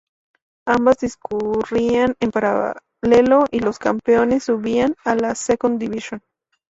Ambas discurrían en paralelo y los campeones subían a la Second Division.